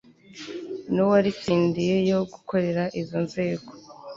n uwaritsindiye yo gukorera izo nzego